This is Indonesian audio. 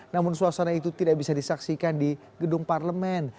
namun suasana itu tidak bisa disaksikan di gedung parlemen